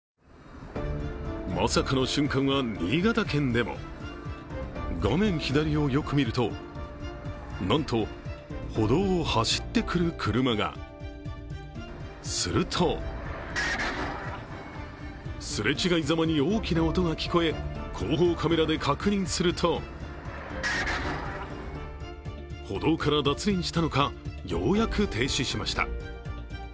まさかの瞬間は、新潟県でも画面左をよく見るとなんと、歩道を走ってくる車がするとすれ違いざまに大きな音が聞こえ、後方カメラで確認すると歩道から脱輪したのかようやく停止しました。